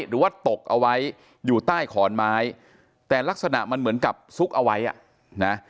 หรือว่าตกเอาไว้อยู่ใต้ขอนไม้แต่ลักษณะมันเหมือนกับซุกเอาไว้อ่ะนะ